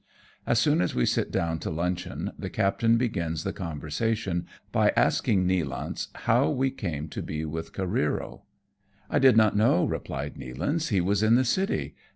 As soon as we sit down to luncheon, the captain begins the conversation by asking Nealance how we came to be with Careero. " I did not know^" replied Nealance, " he was in the city.